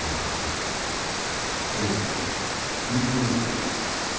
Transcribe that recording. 俺に見極めろと？